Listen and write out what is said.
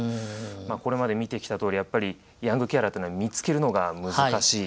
これまで見てきたとおりやっぱりヤングケアラーというのは見つけるのが難しい。